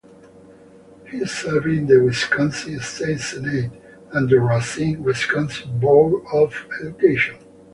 He served in the Wisconsin State Senate, and the Racine, Wisconsin Board of Education.